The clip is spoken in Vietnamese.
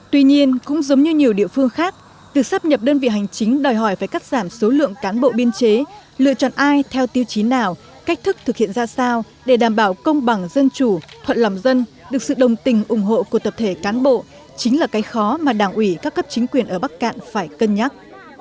tuy nhiên cũng giống như nhiều địa phương khác việc sắp nhập đơn vị hành chính đòi hỏi phải cắt giảm số lượng cán bộ biên chế lựa chọn ai theo tiêu chí nào cách thức thực hiện ra sao để đảm bảo công bằng dân chủ thuận lòng dân được sự đồng tình ủng hộ của tập thể cán bộ chính là cái khó mà đảng ủy các cấp chính quyền ở bắc cạn phải cân nhắc